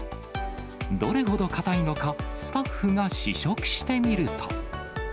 どれほどかたいのか、スタッフが試食してみると。